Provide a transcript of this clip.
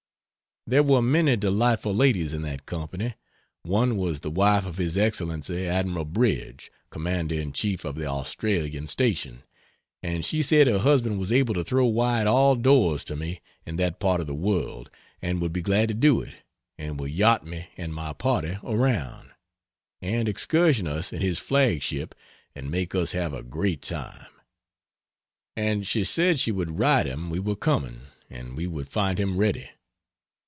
There were many delightful ladies in that company. One was the wife of His Excellency Admiral Bridge, Commander in Chief of the Australian Station, and she said her husband was able to throw wide all doors to me in that part of the world and would be glad to do it, and would yacht me and my party around, and excursion us in his flag ship and make us have a great time; and she said she would write him we were coming, and we would find him ready.